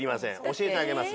教えてあげます。